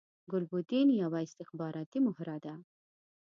ګلبدین یوه استخباراتی مهره ده